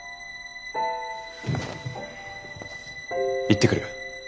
行ってくる。